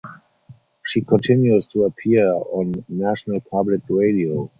She continues to appear on National Public Radio.